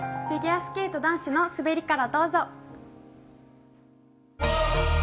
フィギュアスケート男子の滑りからどうぞ。